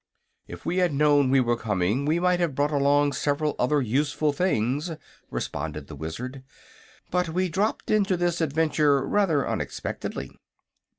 "If we had known we were coming we might have brought along several other useful things," responded the Wizard. "But we dropped into this adventure rather unexpectedly."